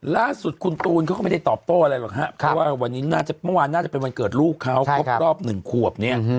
ล่าสุดคุณตูนเขาก็ไม่ได้ตอบโต้อะไรหรอกฮะเพราะว่าเมื่อวานน่าจะเป็นวันเกิดลูกเขาครบรอบ๑ขวบเนี่ย